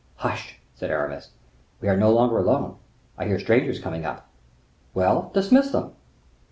"Hush!" said Aramis, "we are already no longer alone, I hear strangers coming up." "Well, dismiss them."